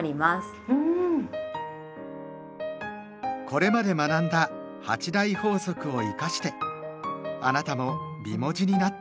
これまで学んだ「８大法則」を生かしてあなたも美文字になって下さい。